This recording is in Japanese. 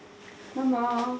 ママ？